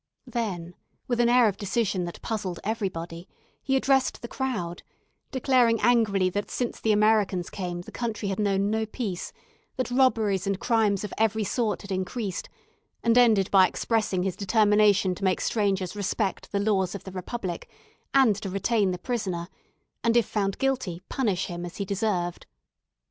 Then, with an air of decision that puzzled everybody, he addressed the crowd, declaring angrily, that since the Americans came the country had known no peace, that robberies and crimes of every sort had increased, and ending by expressing his determination to make strangers respect the laws of the Republic, and to retain the prisoner; and if found guilty, punish him as he deserved.